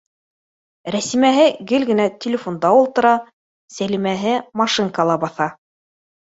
Рәсимәһе гел генә телефонда ултыра, Сәлимәһе машинкала баҫа